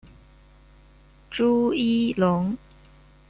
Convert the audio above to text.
朱一龙